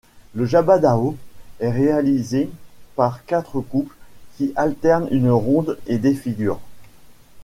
Le jabadao est réalisé par quatre couples qui alternent une ronde et des figures.